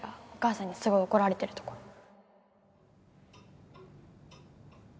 お母さんにすごい怒られてるところ